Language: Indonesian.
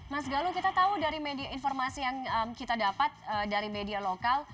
mas galuh kita tahu dari media informasi yang kita dapat dari media lokal